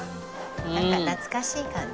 なんか懐かしい感じ。